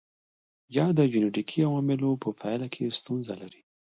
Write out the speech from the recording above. یا د جنېټیکي عواملو په پایله کې ستونزه لري.